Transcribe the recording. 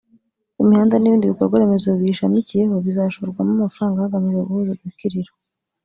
imihanda n’ibindi bikorwa remezo biyishamikiyeho bizashorwamo amafaranga hagamijwe guhuza Udukiriro